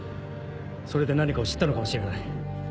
それで何かを知ったのかもしれない。